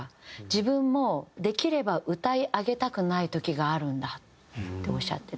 「自分もできれば歌い上げたくない時があるんだ」っておっしゃってて。